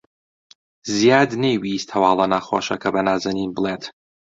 زیاد نەیویست هەواڵە ناخۆشەکە بە نازەنین بڵێت.